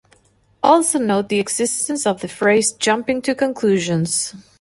Also note the existence of the phrase "Jumping to conclusions".